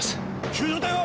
救助艇は？